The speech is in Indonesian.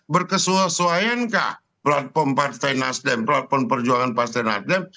berkesesuaiankah platform partai nasdem platform perjuangan partai nasdem